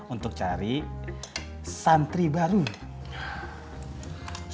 untuk cari santri baru